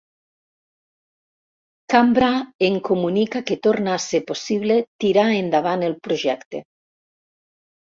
Cambra em comunica que torna a ser possible tirar endavant el projecte.